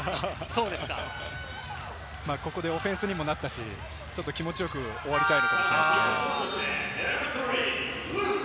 ここでオフェンスにもなったし、気持ちよく終わりたいのかもしれません。